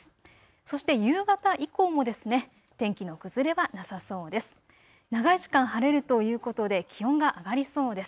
そして夕方以降も天気の崩れはなさそうです。